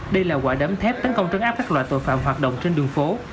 đây là quả đấm thép tấn công trấn áp các loại tội phạm hoạt động trên đường phố